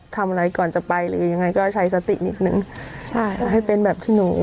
ทำอะไรก่อนจะไปหรือยังไงก็ใช้สตินิดนึงใช่ให้เป็นแบบที่หนู